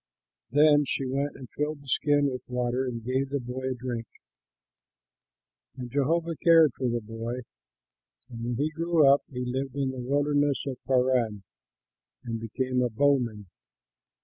Then she went and filled the skin with water and gave the boy a drink. And Jehovah cared for the boy; and when he grew up, he lived in the wilderness of Paran and became a bowman.